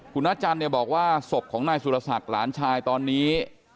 คุณน้าจัลบอกว่าศพของนายสุรษัตริย์หลานชายตอนนี้